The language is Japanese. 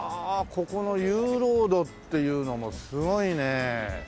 ここのゆうろーどっていうのもすごいね。